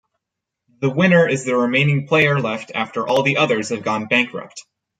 The winner is the remaining player left after all the others have gone bankrupt.